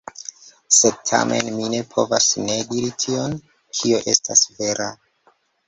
Sed tamen mi ne povas ne diri tion, kio estas vera.